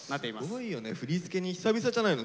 すごいよね振り付けに久々じゃないの？